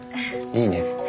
いいね。